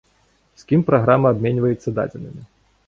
З кім праграма абменьваецца дадзенымі?